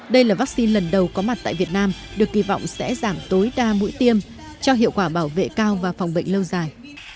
đây là vaccine lần đầu có mặt tại việt nam được kỳ vọng sẽ giảm tối đa mũi tiêm cho hiệu quả bảo vệ cao và phòng bệnh lâu dài